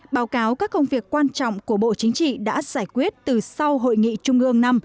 báo cáo các công việc quan trọng của bộ chính trị đã giải quyết từ sau hội nghị trung ương năm